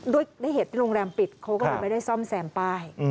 ด้วยเหตุที่โรงแรมปิดเขาก็เลยไม่ได้ซ่อมแซมป้าย